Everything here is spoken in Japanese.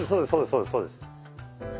そうですそうです。